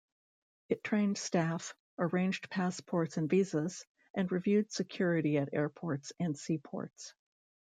It trained staff, arranged passports and visas, and reviewed security at airports and seaports.